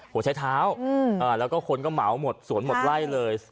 หัวใช้เท้าแล้วก็คนก็เหมาหมดสวนหมดไล่เลย